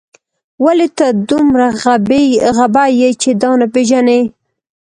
ولې ته دومره غبي یې چې دا نه پېژنې